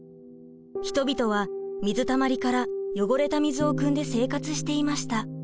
人々は水たまりから汚れた水をくんで生活していました。